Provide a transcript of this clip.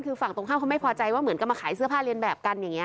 คือฝั่งตรงข้ามเขาไม่พอใจว่าเหมือนกับมาขายเสื้อผ้าเรียนแบบกันอย่างนี้